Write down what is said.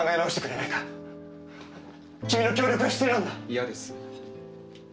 嫌です。